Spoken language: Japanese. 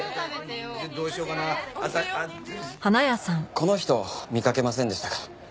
この人見かけませんでしたか？